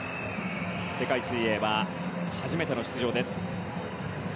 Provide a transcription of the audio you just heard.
世界水泳は初めての出場です。